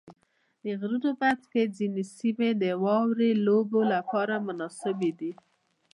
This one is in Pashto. د غرونو منځ کې ځینې سیمې د واورې لوبو لپاره مناسبې دي.